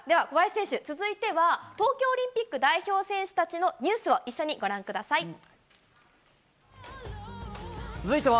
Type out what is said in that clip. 小林選手、続いては東京オリンピック代表選手たちのニュースを一緒にご覧ください。